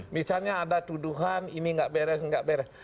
misalnya ada tuduhan ini nggak beres nggak beres